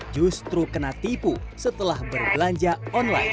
justru kena tipu setelah berbelanja online